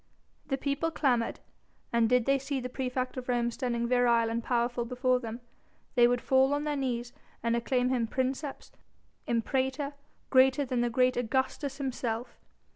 The people clamoured, and did they see the praefect of Rome standing virile and powerful before them, they would fall on their knees and acclaim him princeps, imperator, greater than great Augustus himself.